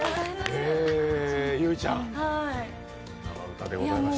結実ちゃん、生歌でございました。